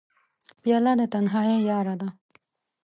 پیاله د تنهایۍ یاره ده.